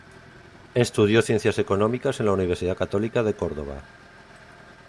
Estudió Ciencias Económicas en la Universidad Católica de Córdoba.